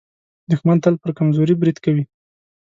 دښمن تل پر کمزوري برید کوي